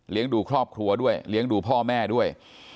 ดูครอบครัวด้วยเลี้ยงดูพ่อแม่ด้วย